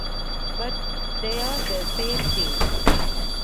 But they're the same thing!